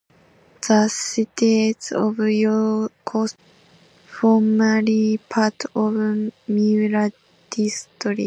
The cities of Yokosuka, Zushi and Miura were formerly part of Miura District.